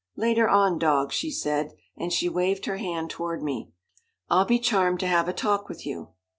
"Later on, dog," she said, and she waved her hand toward me, "I'll be charmed to have a talk with you."